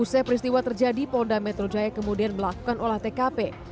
usai peristiwa terjadi polda metro jaya kemudian melakukan olah tkp